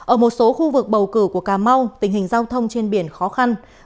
ở một số khu vực bầu cử của cà mau tình hình giao thông trên biển khó khăn